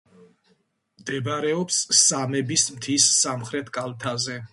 მდებარეობს სამების მთის სამხრეთ კალთაზე.